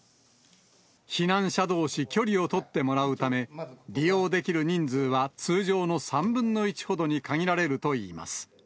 避難者どうし、距離を取ってもらうため、利用できる人数は通常の３分の１ほどに限られるといいます。